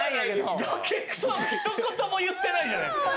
「ヤケクソ」はひと言も言ってないじゃないですか。